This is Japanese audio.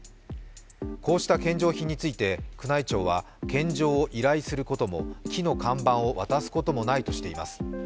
こうした献上品について、宮内庁は献上を依頼することも、木の看板を渡すこともないとしています。